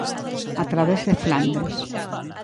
A través de Flandes.